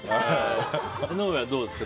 江上はどうですか？